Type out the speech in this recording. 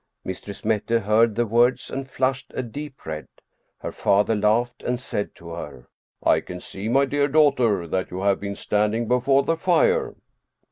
Mistress Mette heard the words and flushed a deep red. Her father laughed and said to her, " I can see, my dear daughter, that you have been stand ing before the fire."